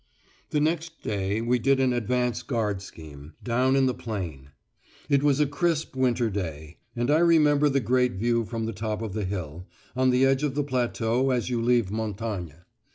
The next day we did an advance guard scheme, down in the plain. It was a crisp winter day, and I remember the great view from the top of the hill, on the edge of the plateau as you leave Montagne.